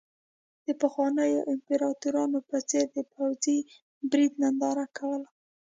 د پخوانیو امپراتورانو په څېر یې د پوځي پرېډ ننداره کوله.